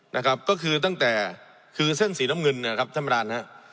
นะครับก็คือตั้งแต่คือเส้นสีน้ำเงินเนี่ยครับท่านประธานฮะ